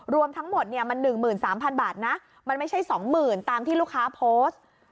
รวมทั้งหมดมัน๑๓๐๐๐บาทนะมันไม่ใช่๒๐๐๐ตามที่ลูกค้าโพสต์